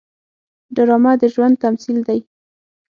ډرامه د ژوند تمثیل دی